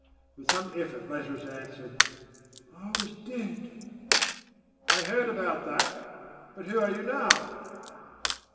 With some effort Lazarus answered: "I was dead." "I heard about that. But who are you now?"